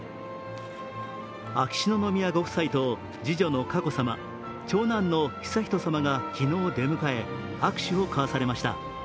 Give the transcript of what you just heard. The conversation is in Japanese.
秋篠宮ご夫妻と次女の佳子さま、長男の悠仁さまが昨日出迎え、握手を交わされました。